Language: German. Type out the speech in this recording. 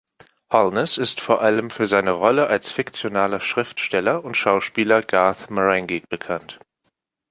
Holness ist vor allem für seine Rolle als fiktionaler Schriftsteller und Schauspieler Garth Marenghi bekannt.